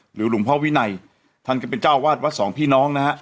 หลวงพ่อวินัยท่านก็เป็นเจ้าวาดวัดสองพี่น้องนะฮะ